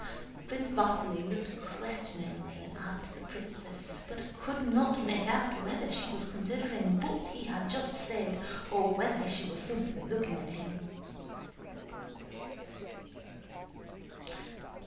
Prince Vasíli looked questioningly at the princess, but could not make out whether she was considering what he had just said or whether she was simply looking at him.